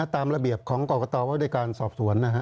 ตามระเบียบของกรกฎาวัตกาลสอบสวน